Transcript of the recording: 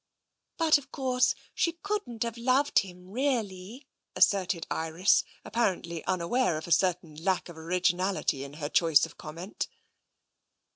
" But of course, she couldn't have loved him really," asserted Iris, apparently unaware of a certain lack of originality in her choice of comment.